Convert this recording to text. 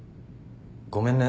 ごめんね。